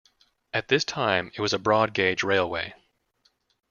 At this time it was a broad gauge railway.